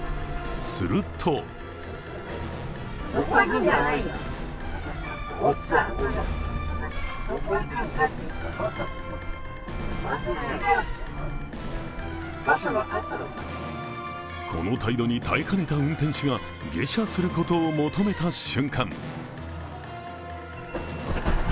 するとこの態度に耐えかねた運転手が下車することを求めた瞬間